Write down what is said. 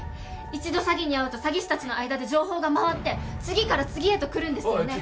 一度詐欺に遭うと詐欺師達の間で情報が回って次から次へと来るんですよね